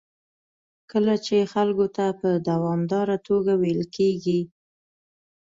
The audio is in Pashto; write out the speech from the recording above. کله چې خلکو ته په دوامداره توګه ویل کېږي